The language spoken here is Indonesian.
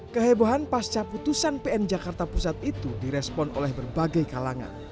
kehebohan pasca putusan pn jakarta pusat itu direspon oleh berbagai kalangan